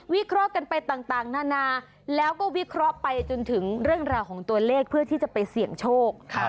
เคราะห์กันไปต่างนานาแล้วก็วิเคราะห์ไปจนถึงเรื่องราวของตัวเลขเพื่อที่จะไปเสี่ยงโชค